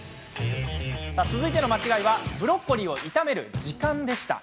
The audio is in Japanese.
続いての間違いはブロッコリーを炒める時間でした。